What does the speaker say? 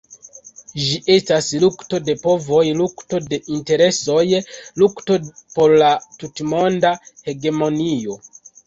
Ĝi estas lukto de povoj, lukto de interesoj, lukto por la tutmonda hegemonio.